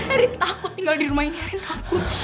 erin takut tinggal di rumah ini erin takut